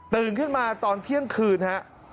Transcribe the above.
ตื่นขึ้นมาตอนเที่ยงคืนครับ